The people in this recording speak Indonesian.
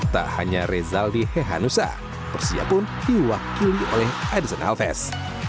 tak hanya rezaldi hehanusa persia pun diwakili oleh adison alves